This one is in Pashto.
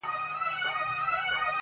• جـنــگ له فريادي ســــره.